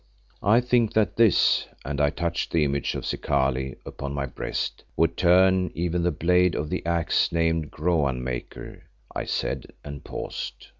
"I think that this," and I touched the image of Zikali upon my breast, "would turn even the blade of the axe named Groan maker," I said and paused.